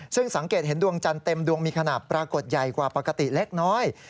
ซึ่งสังเกตเห็นดวงจันทร์เต็มดวงมีขนาดปรากฏใหญ่กว่าปกติเล็กน้อย